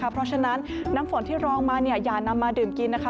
เพราะฉะนั้นน้ำฝนที่รองมาอย่านำมาดื่มกินนะคะ